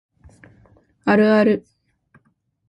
あるある